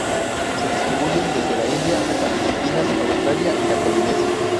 Se distribuyen desde la India hasta Filipinas, Australia y la Polinesia.